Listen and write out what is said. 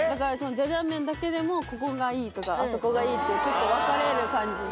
ジャジャン麺だけでもここがいいとかあそこがいいって結構分かれる感じがあります。